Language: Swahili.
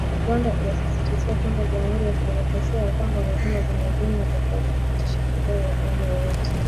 Rwanda inasisitizwa kwamba jamuhuri ya kidemokrasia ya Kongo na Rwanda zina mbinu za kuthibitisha madai ya aina yoyote